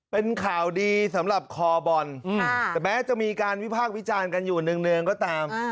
เป็นข่าวดีสำหรับคอบอลแต่แม้จะมีการวิพากษ์วิจารณ์กันอยู่เนื่องก็ตาม